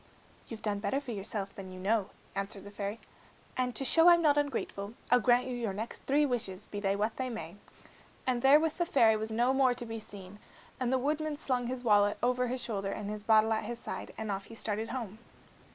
"You've done better for yourself than you know," answered the fairy, "and to show I'm not ungrateful, I'll grant you your next three wishes, be they what they may." And therewith the fairy was no more to be seen, and the woodman slung his wallet over his shoulder and his bottle at his side, and off he started home.